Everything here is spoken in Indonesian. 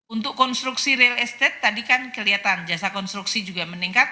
untuk konstruksi real estate tadi kan kelihatan jasa konstruksi juga meningkat